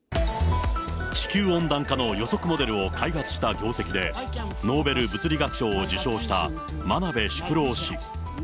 地球温暖化の予測モデルを開発した業績で、ノーベル物理学賞を受賞した真鍋淑郎氏。